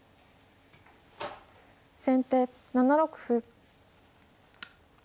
先手７六歩。